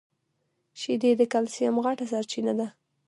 شیدې د کلیسم غټه سرچینه ده.